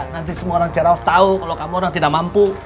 nanti semua orang cerawah tahu kalau kamu orang tidak mampu